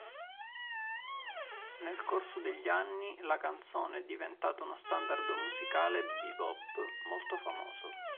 Nel corso degli anni la canzone è diventata uno standard musicale bebop molto famoso.